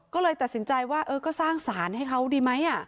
ก็เลยตัดสินใจว่าเออก็สร้างสารให้เขาดีไหม